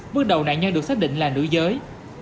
bước đầu nạn nhân được xác định là nữ giới